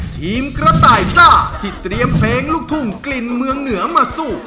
ทีมกระต่ายซ่าที่เตรียมเพลงลูกทุ่งกลิ่นเมืองเหนือมาสู้